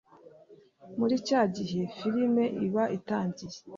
Muri cya gihe filime iba itangiye